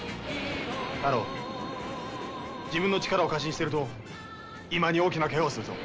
タロウ自分の力を過信してると今に大きなケガをするぞ。